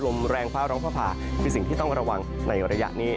ลมแรงภาพร้อมภาผ่าเป็นสิ่งที่ต้องระวังในระยะนี้